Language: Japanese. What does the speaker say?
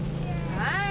はい。